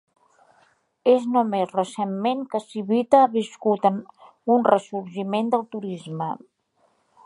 És només recentment que Civita ha viscut un ressorgiment del turisme.